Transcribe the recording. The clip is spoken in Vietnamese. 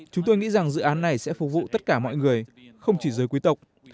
chúng tôi nghĩ rằng dự án này sẽ phục vụ tất cả mọi người không chỉ giới quy tộc